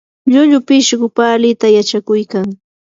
llullu pishqu palita yachakuykan.